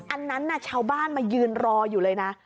อันนั้นชาวบ้านมายืนรออยู่เลยนะ